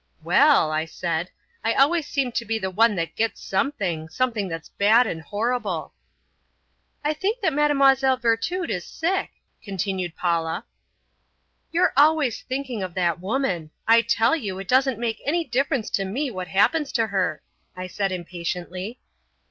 "Well," I said, "I always seem to be the one that gets something something that's bad and horrible." "I think that Mlle. Virtud is sick," continued Paula. "You're always thinking of that woman. I tell you, it doesn't make any difference to me what happens to her," I said impatiently.